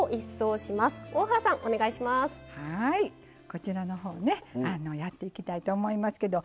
こちらのほうねやっていきたいと思いますけど。